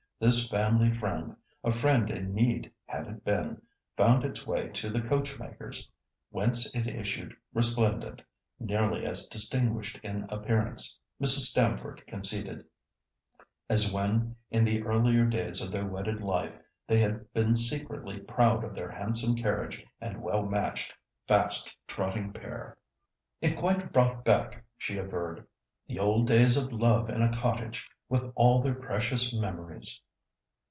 This family friend, and a friend in need had it been, found its way to the coachmaker's, whence it issued resplendent, nearly as distinguished in appearance, Mrs. Stamford conceded, as when, in the earlier days of their wedded life, they had been secretly proud of their handsome carriage and well matched, fast trotting pair. "It quite brought back," she averred, "the old days of love in a cottage, with all their precious memories."